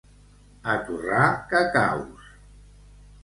A torrar cacaus.